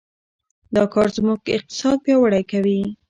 دا کار زموږ اقتصاد پیاوړی کوي.